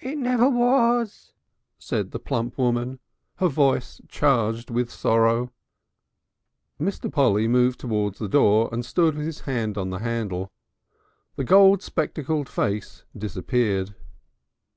"It never was," said the plump woman, her voice charged with sorrow. Mr. Polly moved towards the door and stood with his hand on the handle. The gold spectacled face disappeared.